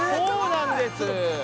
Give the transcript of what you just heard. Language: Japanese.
そうなんです。